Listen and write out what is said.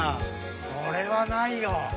これはないよ。